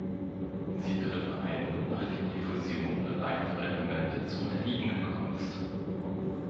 Sie tritt ein, nachdem die Fusion leichterer Elemente zum Erliegen gekommen ist.